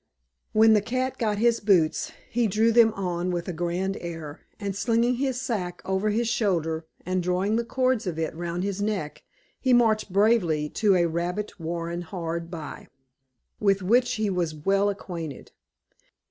When the cat got his boots, he drew them on with a grand air, and slinging his sack over his shoulder, and drawing the cords of it round his neck, he marched bravely to a rabbit warren hard by, with which he was well acquainted.